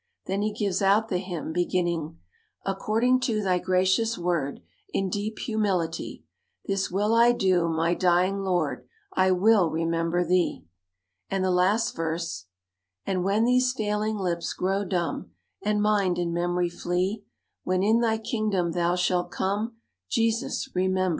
Then he gives out the hymn, beginning: "According to Thy gracious word, In deep humility, This will I do, my dying Lord I will remember Thee." And the last verse: "And when these failing lips grow dumb, And mind and memory flee, When in Thy kingdom Thou shalt come, Jesus remember me."